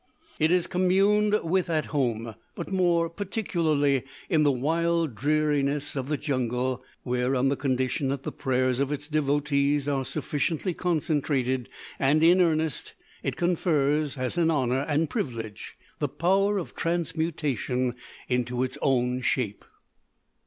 It is communed with at home, but more particularly in the wild dreariness of the jungle, where, on the condition that the prayers of its devotees are sufficiently concentrated and in earnest, it confers as an honour and privilege the power of transmutation into its own shape.